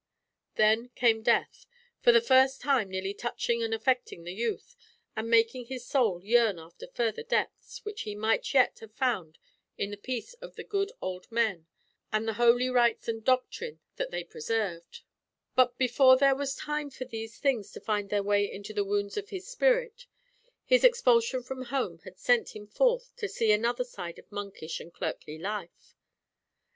Then came death, for the first time nearly touching and affecting the youth, and making his soul yearn after further depths, which he might yet have found in the peace of the good old men, and the holy rites and doctrine that they preserved; but before there was time for these things to find their way into the wounds of his spirit, his expulsion from home had sent him forth to see another side of monkish and clerkly life.